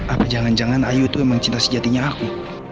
apa jangan jangan ayu itu memang cinta sejatinya aku